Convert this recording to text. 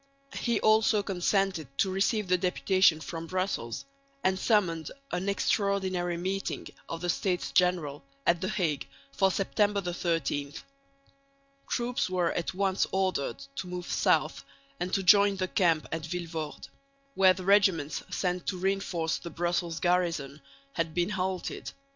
He also consented to receive the deputation from Brussels, and summoned an extraordinary meeting of the States General at the Hague for September 13. Troops were at once ordered to move south and to join the camp at Vilvoorde, where the regiments sent to reinforce the Brussels garrison had been halted.